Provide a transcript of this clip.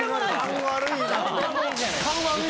勘悪いな。